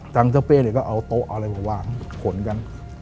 ทางเจ้าเป้เนี่ยก็เอาโต๊ะเอาอะไรมาวางขนกัน